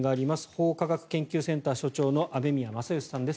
法科学研究センター所長の雨宮正佳さんです。